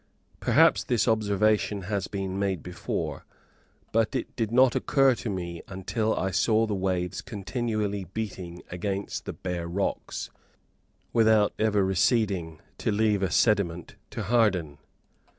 Perhaps this observation has been made before; but it did not occur to me till I saw the waves continually beating against the bare rocks, without ever receding to leave a sediment to harden.